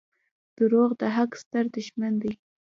• دروغ د حق ستر دښمن دي.